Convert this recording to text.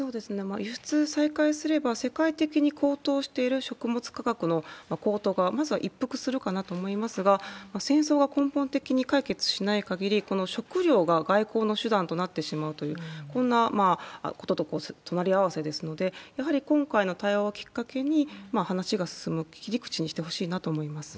輸出再開すれば、世界的に高騰している食物価格の高騰が、まずは一服するかなと思いますが、戦争が根本的に解決しないかぎり、この食料が外交の手段となってしまうという、こんなことと隣り合わせですので、やはり今回の対話をきっかけに、話が進む切り口にしてほしいなと思います。